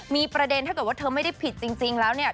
มีประเด็นถ้าเกิดว่าเธอไม่ได้ผิดจริงแล้วเนี่ย